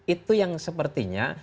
itu yang sepertinya